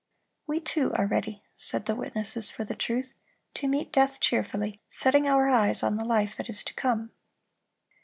"We too are ready," said the witnesses for the truth, "to meet death cheerfully, setting our eyes on the life that is to come."